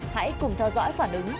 hãy cùng theo dõi phản ứng